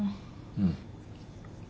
うん。